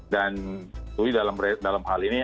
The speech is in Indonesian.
dan dalam hal ini